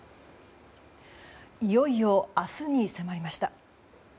いよいよ明日に迫りました。